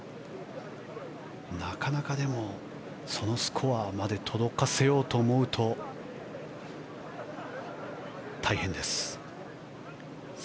なかなか、そのスコアまで届かせようと思うと大変です。